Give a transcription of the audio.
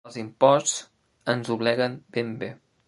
Els imposts ens dobleguen ben bé.